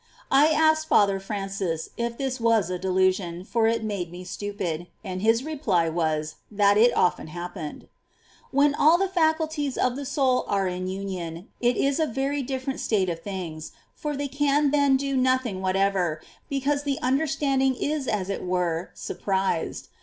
^ I asked Father Francis^ if this was a delusion, for it made me stupid ; and his reply was, that it often happened. 7. When all the faculties of the soul are in union, it is a very different state of things ; for they can Se^?acuWies. then do nothing whatever, because the understand ing is as it were surprised.